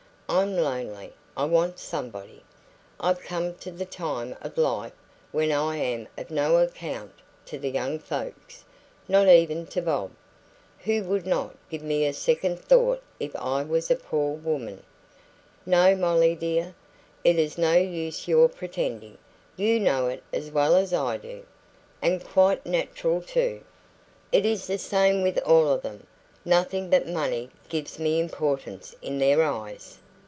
I'm lonely. I want somebody. I've come to the time of life when I am of no account to the young folks not even to Bob, who would not give me a second thought if I was a poor woman. No, Molly dear, it is no use your pretending; you know it as well as I do. And quite natural too. It is the same with all of them. Nothing but money gives me importance in their eyes.